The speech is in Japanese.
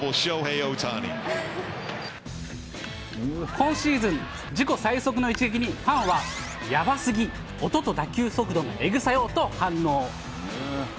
今シーズン、自己最速の一撃に、ファンは、ヤバすぎ、音と打球速度のえぐさよと反応。